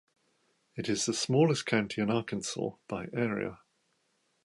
It is the smallest county in Arkansas by area.